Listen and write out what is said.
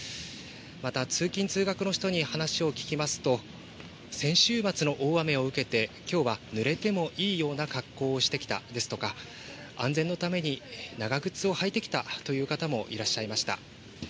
また、通勤・通学の人に話を聞きますと、先週末の大雨を受けて、きょうはぬれてもいいような格好をしてきたですとか、安全のために長靴を履いてきたという方もいらっしゃいました。